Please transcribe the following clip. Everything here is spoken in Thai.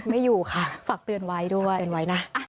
ไม่อยู่ค่ะฝากเตือนไว้ด้วย